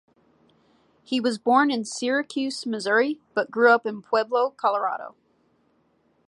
He was born in Syracuse, Missouri, but grew up in Pueblo, Colorado.